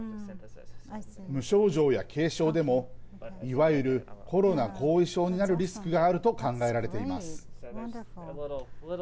無症状や軽症でもいわゆるコロナ後遺症になるリスクがあると考えられています。